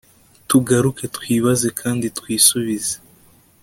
tugaruke twibaze kandi twisubize